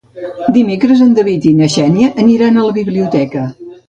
Dimecres en David i na Xènia aniran a la biblioteca.